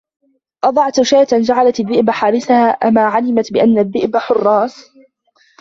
أضعت شاة جعلت الذئب حارسها أما علمت بأن الذئب حراس